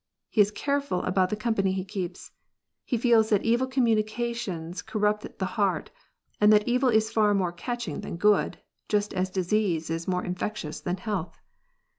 He is careful about the company he keeps. He feels that evil communications corrupt the heart, and that evil is far more catching than good, just as disease is more infectious than health.